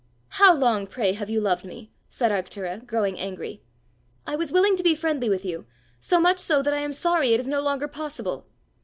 "How long, pray, have you loved me?" said Arctura, growing angry. "I was willing to be friendly with you, so much so that I am sorry it is no longer possible!"